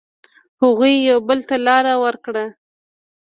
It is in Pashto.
هغوی یو بل ته لاره ورکړه.